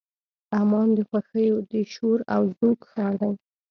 عمان د خوښیو د شور او زوږ ښار دی.